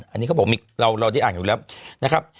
อันนี้เขาบอกเราได้อ่านอยู่แล้วนะครับ